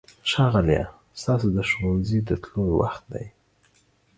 ښاغلیه! ستاسو د ښوونځي د تلو وخت دی.